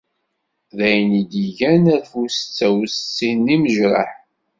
D ayen i d-igan alef u setta u settin n yimejraḥ.